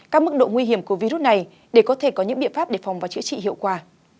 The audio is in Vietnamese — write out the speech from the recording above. các mức độ nguy hiểm của virus này để có thể có những biện pháp để phòng và chữa trị hiệu quả